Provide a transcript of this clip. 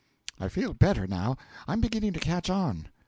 I feel better, now. I'm beginning to catch on.